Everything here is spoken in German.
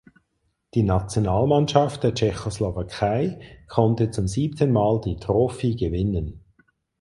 Die Nationalmannschaft der Tschechoslowakei konnte zum siebten Mal die Trophy gewinnen.